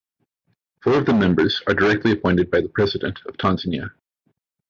Four of the members are directly appointed by the President of Tanzania.